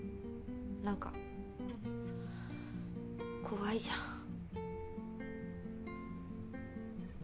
何か怖いじゃん。